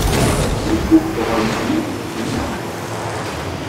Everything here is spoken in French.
Le couple aura une fille, Nina.